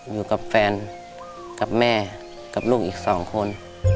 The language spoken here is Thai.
อยู่กับแฟนกับแม่กับลูกอีกสองคน